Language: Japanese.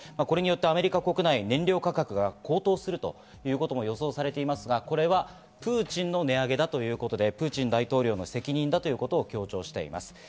これによってアメリカ国内、燃料価格が高騰するということも予想されていますが、これはプーチンの値上げだということでプーチン大統領の責任だということを強調しています。